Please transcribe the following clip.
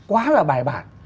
quá là bài bản